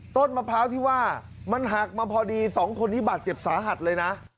ต้นมะพร้าวที่ว่ามันหักมาพอดี๒คนนี้บาดเจ็บสาหัสเลยนะ